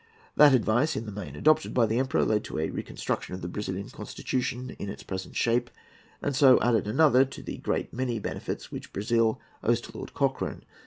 That advice, in the main adopted by the Emperor, led to a reconstruction of the Brazilian Constitution in its present shape, and so added another to the many great benefits which Brazil owes to Lord Cochrane.